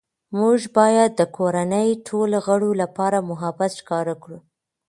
موږ باید د کورنۍ ټولو غړو لپاره محبت ښکاره کړو